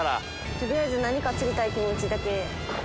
取りあえず何か釣りたい気持ちだけ。